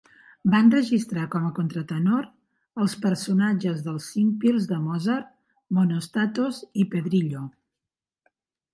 Va enregistrar com a contratenor els personatges dels "singpiels" de Mozart Monostatos i Pedrillo.